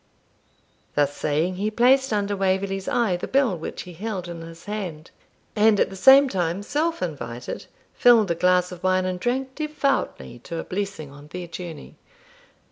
Thus saying, he placed under Waverley's eye the bill which he held in his hand; and at the same time, self invited, filled a glass of wine and drank devoutly to a blessing on their journey.